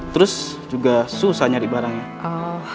terus juga susah nyari barangnya